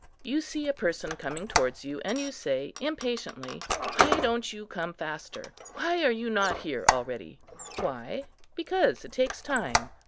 You see a person coming towards you, and you say, impatiently, "Why don't you come faster?—why are you not here already?" Why?—because it takes time.